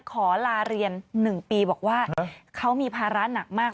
ขอลาเรียน๑ปีบอกว่าเขามีภาระหนักมาก